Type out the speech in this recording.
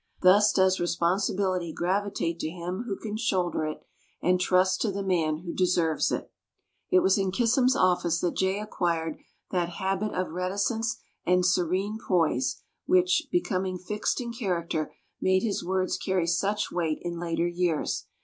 Thus does responsibility gravitate to him who can shoulder it, and trust to the man who deserves it. It was in Kissam's office that Jay acquired that habit of reticence and serene poise which, becoming fixed in character, made his words carry such weight in later years.